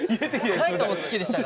海人も好きでしたからね。